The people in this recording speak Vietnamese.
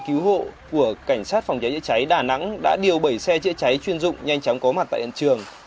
cứu hộ của cảnh sát phòng cháy chữa cháy đà nẵng đã điều bảy xe chữa cháy chuyên dụng nhanh chóng có mặt tại hiện trường